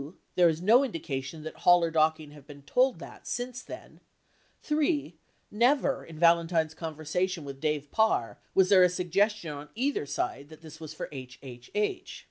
there is no indication that Hall or Docking have been told that since then ; three, never in Valentine's conversation with Dave Parr was there a sug gestion on either side that, this was for HHH.